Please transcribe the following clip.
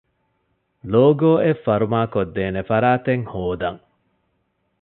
ލޯގޯއެއް ފަރުމާކޮށްދޭނެ ފަރާތެއް ހޯދަން